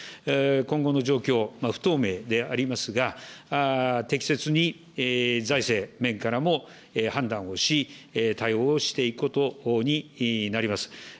今後の状況、不透明でありますが、適切に財政面からも判断をし、対応をしていくことになります。